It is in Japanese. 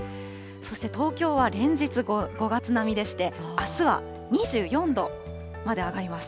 そして東京は連日５月並みでして、あすは２４度まで上がります。